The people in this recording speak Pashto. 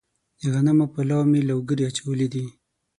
د غنمو په لو مې لوګري اچولي دي.